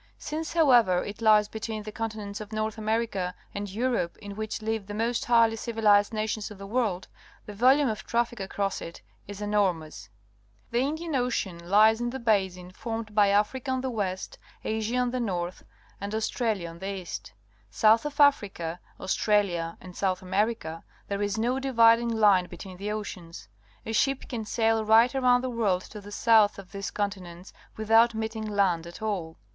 Since, how ever, it lies between the continents of North America and Europe, in which live the most highly civilized nations of the world, the volume of traffic across it is enormous. The Indian Ocean lies in the basin formed The Northern Hemisphere by Africa on the west, Asia on the north, and Australia on the east. South of Africa, Australia, and South America, there is no dividing line between the oceans. A ship can sail right around the world to the south of these continents without meeting land at all.